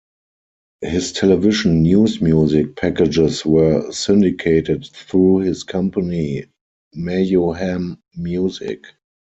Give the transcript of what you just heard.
His television news music packages were syndicated through his company, Mayoham Music.